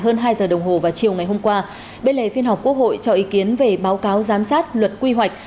hơn hai giờ đồng hồ vào chiều ngày hôm qua bên lề phiên họp quốc hội cho ý kiến về báo cáo giám sát luật quy hoạch